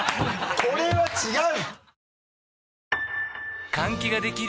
これは違う。